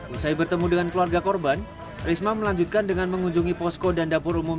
usai bertemu dengan keluarga korban risma melanjutkan dengan mengunjungi posko dan dapur umum